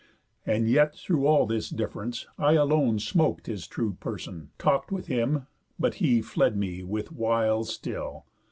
And yet through all this diff'rence, I alone Smoked his true person, talk'd with him; but he Fled me with wiles still.